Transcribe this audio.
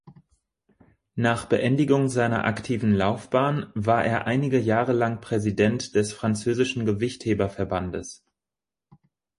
Nach Beendigung seiner aktiven Laufbahn war er einige Jahre lang Präsident des französischen Gewichtheber-Verbandes.